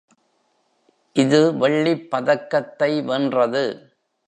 இது வெள்ளிப் பதக்கத்தை வென்றது.